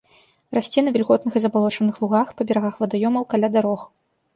Расце на вільготных і забалочаных лугах, па берагах вадаёмаў, каля дарог.